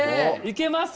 いけます？